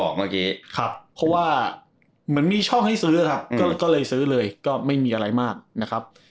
เพราะว่าเหมือนมีช่องให้ซื้อครับก็เลยซื้อเลยก็ไม่มีอะไรมากนะครับ